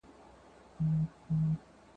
اګوستين ليکي چي دولت بايد د کليسا لارښوونې ومني.